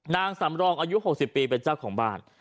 นางสำรองอายุ๖๐ปีเป็นเจ้าของบ้าน